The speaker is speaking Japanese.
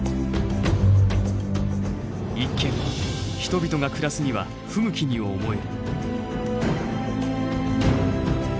一見人々が暮らすには不向きに思える。